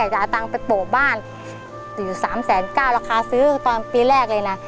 อยู่๓๙๐๐๐บาทราคาซื้อตอนปีแรกเลยนะ